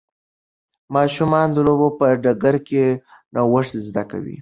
ماشومان د لوبو په ډګر کې نوښت زده کوي.